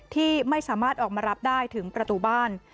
ที่ไม่สามารถออกมารับได้ถึงประตูบ้าน